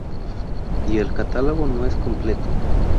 Y el catálogo no es completo.